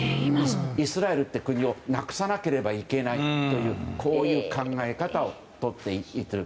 イスラエルという国をなくさなければいけないという考え方をとっている。